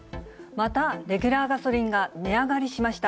またレギュラーガソリンが値上がりしました。